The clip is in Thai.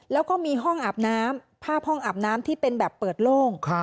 แล้วก็มีห้องอาบน้ำภาพห้องอาบน้ำที่เป็นแบบเปิดโล่ง